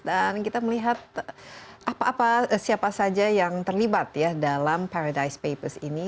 dan kita melihat apa apa siapa saja yang terlibat ya dalam paradise papers ini